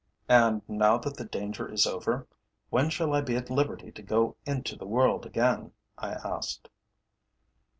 "And now that the danger is over, when shall I be at liberty to go into the world again?" I asked.